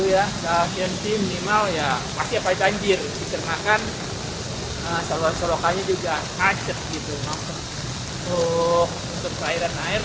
ya ya ya masih apa apa kan jiru jiru makan saluran solokanya juga ngacek gitu loh air air